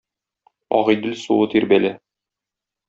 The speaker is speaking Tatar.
Агыйдел суы тирбәлә